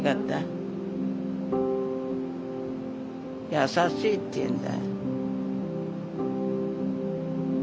優しいっていうんだ。